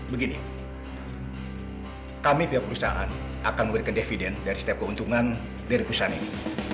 begini kami pihak perusahaan akan memberikan dividen dari setiap keuntungan dari perusahaan ini